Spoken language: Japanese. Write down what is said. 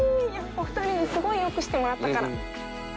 お二人にすごいよくしてもらったから。